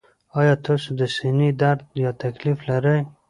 ایا تاسو د سینې درد یا تکلیف لرئ؟